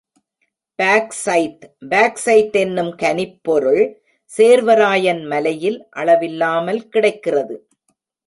Bauxite bauxite என்னும் கனிப் பொருள் சேர்வராயன் மலையில் அளவில்லாமல் கிடைக்கிறது.